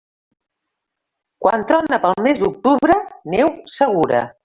Quan trona pel mes d'octubre, neu segura.